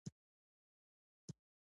د پاڅونوالو د ځپلو لپاره کلي نړول کېدل.